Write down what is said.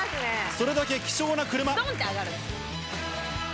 それだけ希少な車。